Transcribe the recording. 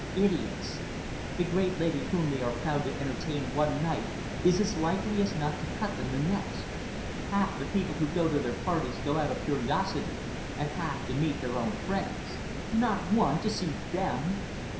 Idiots! The great lady whom they are proud to entertain one night is as likely as not to cut them the next. Half the people who go to their parties go out of curiosity, and half to meet their own friends. Not one to see them!